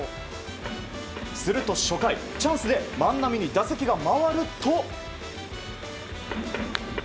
すると初回、チャンスで万波に打席が回ると。